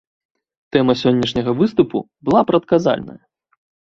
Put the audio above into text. Тэма сённяшняга выступу была прадказальная.